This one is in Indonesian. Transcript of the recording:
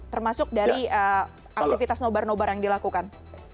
termasuk dari aktivitas nobar nobar yang dilakukan